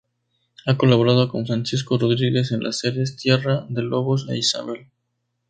Ha colaborado con Francisco Rodríguez en las series Tierra de lobos e Isabel.